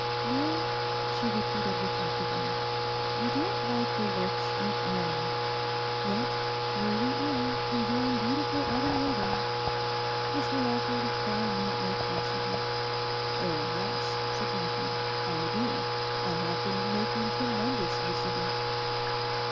'No,' she repeated reflectively, 'I don't like your looks at all; yet here we are, enjoying beautiful autumn weather, Mr Lawford, why not make use of it?' 'Oh yes,' said Lawford, 'I do. I have been making tremendous use of it.